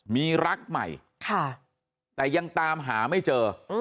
มีรักใหม่แต่ยังตามหาไม่เจอ